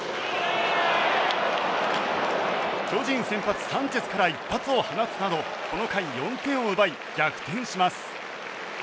巨人先発、サンチェスから一発を放つなどこの回４点を奪い逆転します。